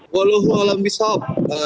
walauhu allahumma sholam